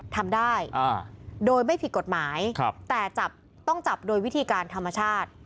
ทำได้โดยไม่ผิดกฎหมายแต่จับต้องจับโดยวิธีการธรรมชาติ